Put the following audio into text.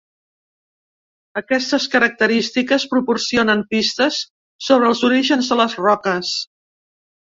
Aquestes característiques proporcionen pistes sobre els orígens de les roques.